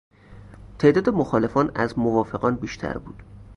تعداد مخالفان از موافقان بیشتر بود.